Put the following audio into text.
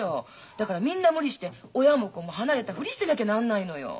だからみんな無理して親も子も離れたふりしてなきゃなんないのよ。